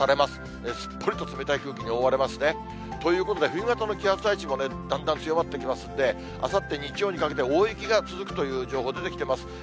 すっぽりと冷たい空気に覆われますね。ということで、冬型の気圧配置もだんだん強まってきますんで、あさって日曜にかけて、大雪が続くという情報出てきてます。